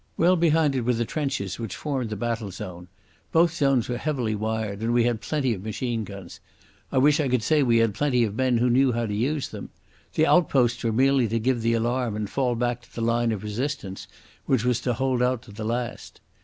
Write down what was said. Well behind it were the trenches which formed the battle zone. Both zones were heavily wired, and we had plenty of machine guns; I wish I could say we had plenty of men who knew how to use them. The outposts were merely to give the alarm and fall back to the line of resistance which was to hold out to the last.